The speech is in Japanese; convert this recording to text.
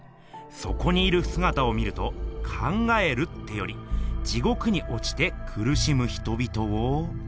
そこにいるすがたを見ると考えるってより地獄におちてくるしむ人々を。